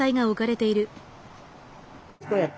こうやって。